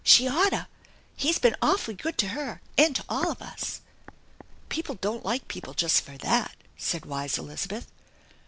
She oughtta. He's been awfully good to her, and to all of us." "People don't like people just for that," said wise Elizabeth.